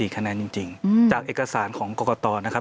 คะแนนจริงจากเอกสารของกรกตนะครับ